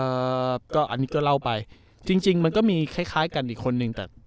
เอ่อก็อันนี้ก็เล่าไปจริงจริงมันก็มีคล้ายคล้ายกันอีกคนนึงแต่